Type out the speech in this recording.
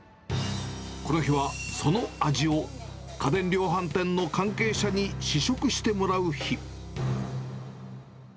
この日はその味を家電量販店の関係者に試食してもらう日。